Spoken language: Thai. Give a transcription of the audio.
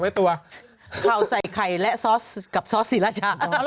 เฮาใส่ไข่และซอสกับซอสศิราชะ